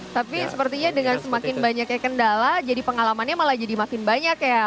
tapi sepertinya dengan semakin banyaknya kendala jadi pengalamannya malah jadi makin banyak ya